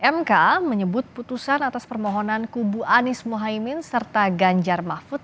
mk menyebut putusan atas permohonan kubu anies mohaimin serta ganjar mahfud